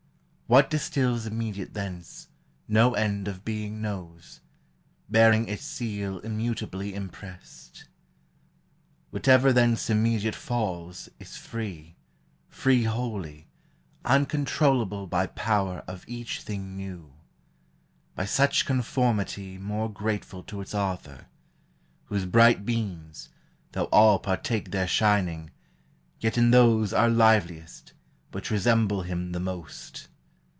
What distils Immediate thence, no end of being knows ; Bearing its seal immutably imprest. Whatever thence immediate falls, is free, Free wholly, uncontrollable by power Of each thing new : by such conformity More grateful to its author, whose bright beams, Though all partake their shining, yet in those Are liveliest, which resemble him the most.